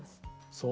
そう？